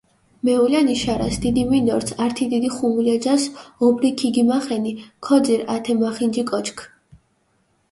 მეულანი შარას, დიდი მინდორც ართი დიდი ხუმულა ჯას ობრი ქიგიმახენი, ქოძირჷ ათე მახინჯი კოჩქჷ.